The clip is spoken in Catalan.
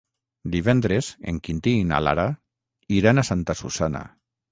Divendres en Quintí i na Lara iran a Santa Susanna.